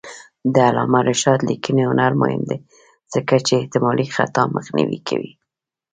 د علامه رشاد لیکنی هنر مهم دی ځکه چې احتمالي خطا مخنیوی کوي.